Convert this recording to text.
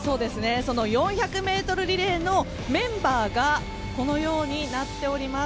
４００ｍリレーのメンバーがこのようになっております。